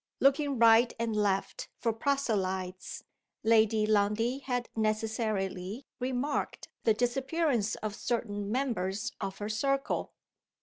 Looking right and left for proselytes, Lady Lundie had necessarily remarked the disappearance of certain members of her circle.